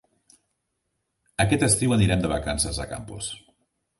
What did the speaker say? Aquest estiu anirem de vacances a Campos.